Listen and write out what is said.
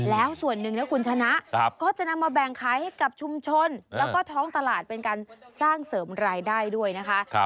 แล้วส่วนหนึ่งนะคุณชนะก็จะนำมาแบ่งขายให้กับชุมชนแล้วก็ท้องตลาดเป็นการสร้างเสริมรายได้ด้วยนะคะ